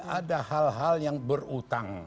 ada hal hal yang berutang